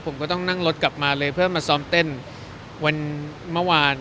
ผมก็ต้องนั่งรถกลับมาเลยเพื่อมาซ้อมเต้นวันเมื่อวาน